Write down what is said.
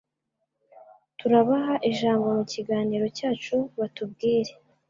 Turabaha ijambo mu kiganiro cyacu batubwire.